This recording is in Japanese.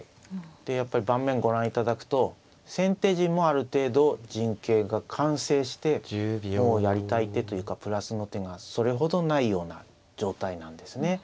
でやっぱり盤面ご覧いただくと先手陣もある程度陣形が完成してもうやりたい手というかプラスの手がそれほどないような状態なんですね。